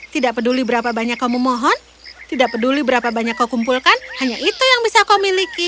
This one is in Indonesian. tidak peduli berapa banyak kau memohon tidak peduli berapa banyak kau kumpulkan hanya itu yang bisa kau miliki